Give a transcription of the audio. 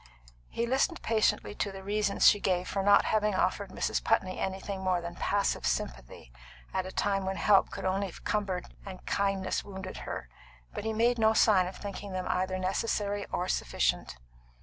He listened patiently to the reasons she gave for not having offered Mrs. Putney anything more than passive sympathy at a time when help could only have cumbered and kindness wounded her, but he made no sign of thinking them either necessary or sufficient.